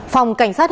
phòng cảnh trái phép